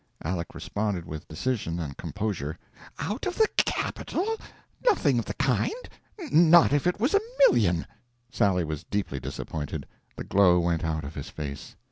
Aleck responded with decision and composure "Out of the capital? Nothing of the kind. Not if it was a million!" Sally was deeply disappointed; the glow went out of his face.